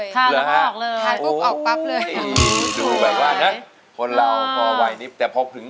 ตั้มเป็นไงคะมานั่ง